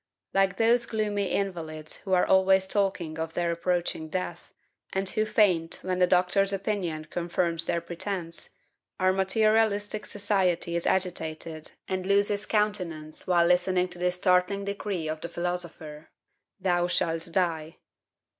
Like those gloomy invalids who are always talking of their approaching death, and who faint when the doctor's opinion confirms their pretence, our materialistic society is agitated and loses countenance while listening to this startling decree of the philosopher, "Thou shalt die!"